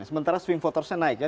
sementara swing votersnya naik ya